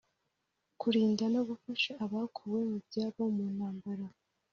Kurinda no Gufasha Abakuwe mu Byabo mu ntambara